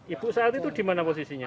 ibu saat itu di mana posisinya